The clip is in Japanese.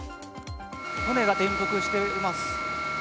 船が転覆しています。